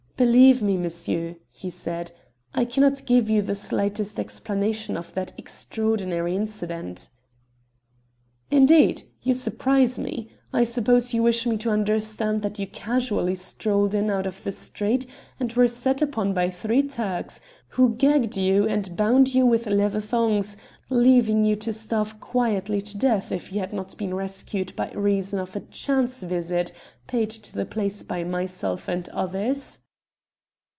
"Believe me, monsieur," he said, "I cannot give you the slightest explanation of that extraordinary incident." "Indeed! You surprise me. I suppose you wish me to understand that you casually strolled in out of the street and were set upon by three Turks, who gagged you and bound you with leather thongs, leaving you to starve quietly to death if you had not been rescued by reason of a chance visit paid to the place by myself and others?"